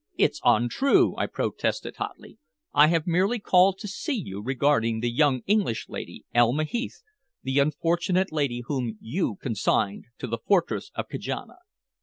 "It's untrue," I protested hotly. "I have merely called to see you regarding the young English lady, Elma Heath the unfortunate lady whom you consigned to the fortress of Kajana."